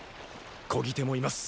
漕ぎ手もいます！